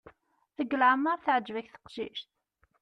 Deg leɛmer teɛǧeb-ak teqcict?